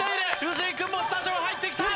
藤井君もスタジオ入ってきた。